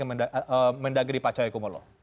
kemendagri pak cahyo kumulo